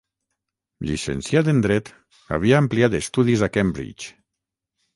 Llicenciat en Dret, havia ampliat estudis a Cambridge.